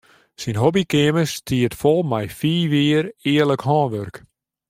Syn hobbykeamer stiet fol mei fiif jier earlik hânwurk.